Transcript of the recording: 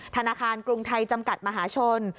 ธนาคารกรุงไทยจำกัดมหาชน